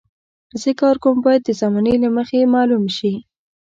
زه کار کوم باید د زمانې له مخې معلوم شي.